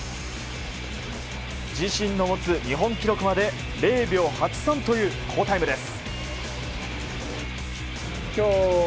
自身の持つ日本記録まで０秒８３という好タイムです。